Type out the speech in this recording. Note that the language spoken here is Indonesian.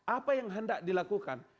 apa yang hendak dilakukan